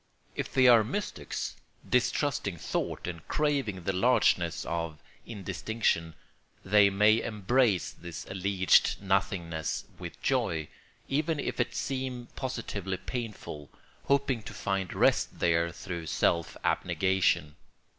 If they are mystics, distrusting thought and craving the largeness of indistinction, they may embrace this alleged nothingness with joy, even if it seem positively painful, hoping to find rest there through self abnegation.